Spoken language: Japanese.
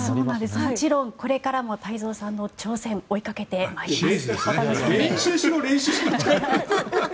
もちろんこれからも太蔵さんの挑戦追いかけてまいります。